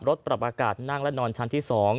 ปรับอากาศนั่งและนอนชั้นที่๒